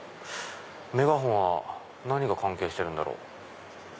メガホンは何が関係してるんだろう？